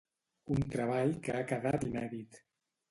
Un treball que ha quedat inèdit